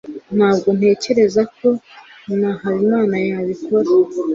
ntabwo ntekereza ko na habimana yabikora